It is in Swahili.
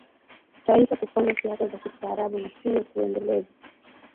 taifa Kufanya siasa za kistaarabu na siyo kuendeleza